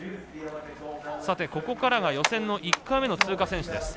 ここからが予選の１回目の通過選手。